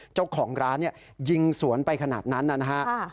เจ้าของร้านยิงสวนไปขนาดนั้นนะฮะ